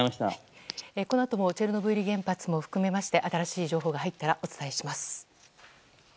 このあともチェルノブイリ原発も含めまして新しい情報が入ったらお伝えします。